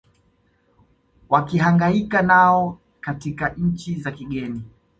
wakihangaika nao katika nchi za kigeni